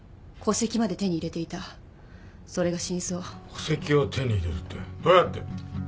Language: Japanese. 戸籍を手に入れるってどうやって？